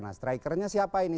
nah strikernya siapa ini